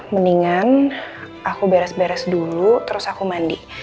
mendingan aku beres beres dulu terus aku mandi